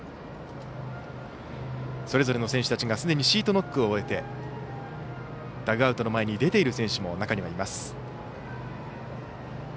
それぞれの選手たちがすでにシートノックを終えてダグアウトの前に出ている選手も中にはいます。